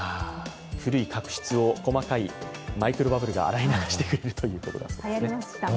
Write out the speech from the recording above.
古い角質を細かいマイクロバブルが洗い流してくれると。